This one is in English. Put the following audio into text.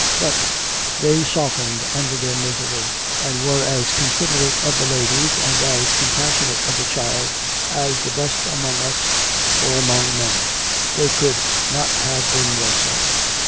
But, they softened under their misery, and were as considerate of the ladies, and as compassionate of the child, as the best among us, or among men they could not have been more so.